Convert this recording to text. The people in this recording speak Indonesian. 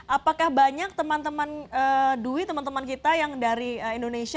apakah banyak teman teman dwi teman teman kita yang dari indonesia